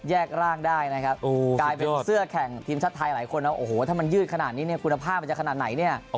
ร่างได้นะครับกลายเป็นเสื้อแข่งทีมชาติไทยหลายคนนะโอ้โหถ้ามันยืดขนาดนี้เนี่ยคุณภาพมันจะขนาดไหนเนี่ย